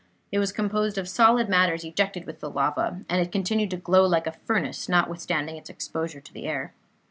It was composed of solid matters ejected with the lava, and it continued to glow like a furnace, notwithstanding its exposure to the air.